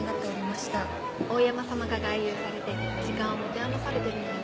大山様が外遊されて時間を持て余されてるのでは？